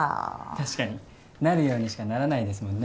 確かになるようにしかならないですもん。